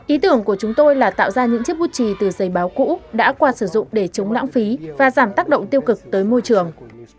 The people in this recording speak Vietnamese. ý tưởng của chúng tôi là tạo ra những chiếc bút trì từ giấy báo cũ đã qua sử dụng để chống lãng phí và giảm tác động tiêu cực tới môi trường